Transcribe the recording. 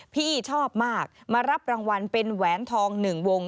พี่ชอบมากมารับรางวัลเป็นแหวนทอง๑วง